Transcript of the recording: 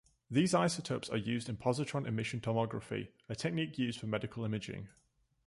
These isotopes are used in positron emission tomography, a technique used for medical imaging.